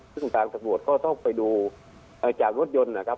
ซึ่งต่างจากหมวดก็ต้องไปดูเอ่อจากรถยนต์นะครับ